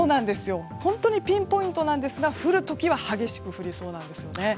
本当にピンポイントなんですが降るときは激しく降りそうなんですよね。